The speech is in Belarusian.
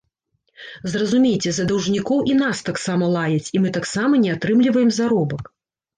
Зразумейце, за даўжнікоў і нас таксама лаяць, і мы таксама не атрымліваем заробак.